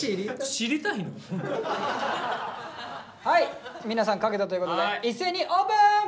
はい皆さん書けたということで一斉にオープン！